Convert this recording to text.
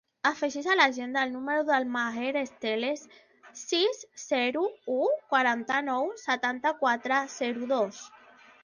Afegeix a l'agenda el número del Maher Estelles: sis, zero, u, quaranta-nou, setanta-quatre, zero, dos.